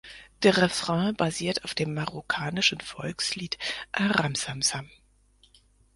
Der Refrain basiert auf dem marokkanischen Volkslied "A Ram Sam Sam".